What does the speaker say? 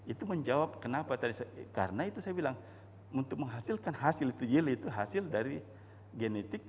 itu menjawab kenapa tadi karena itu saya bilang untuk menghasilkan hasil itu yel itu hasil dari genetik